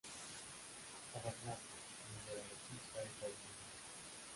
Abernathy, mineralogista estadounidense.